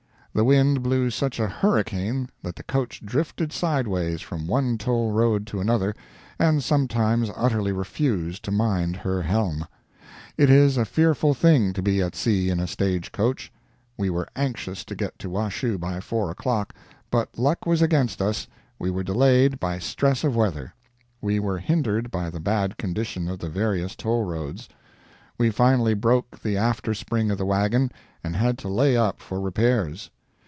The wind blew such a hurricane that the coach drifted sideways from one toll road to another, and sometimes utterly refused to mind her helm. It is a fearful thing to be at sea in a stagecoach. We were anxious to get to Washoe by four o'clock, but luck was against us: we were delayed by stress of weather; we were hindered by the bad condition of the various toll roads; we finally broke the after spring of the wagon, and had to lay up for repairs.